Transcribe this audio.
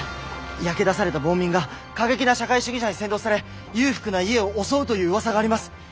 焼け出された暴民が過激な社会主義者に扇動され裕福な家を襲うといううわさがあります。